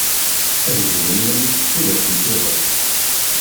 Ad d-yebnu iman-is s tudert n tiẓedt.